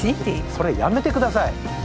それやめてください